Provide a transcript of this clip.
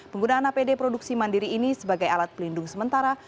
penggunaan apd produksi mandiri ini sebagai alat pelindung sementara